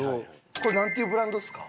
これなんていうブランドですか？